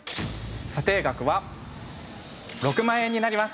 査定額は６万円になります。